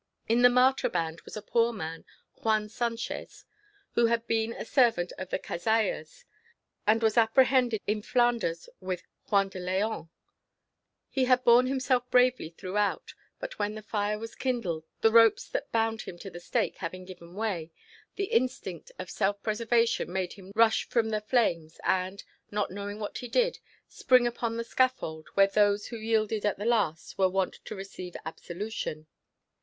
In the martyr band was a poor man, Juan Sanchez, who had been a servant of the Cazallas, and was apprehended in Flanders with Juan de Leon. He had borne himself bravely throughout; but when the fire was kindled, the ropes that bound him to the stake having given way, the instinct of self preservation made him rush from the flames, and, not knowing what he did, spring upon the scaffold where those who yielded at the last were wont to receive absolution.